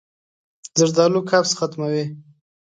زردالو قبض ختموي.